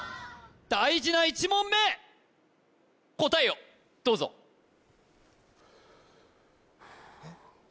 大事な１問目答えをどうぞふうえっ何？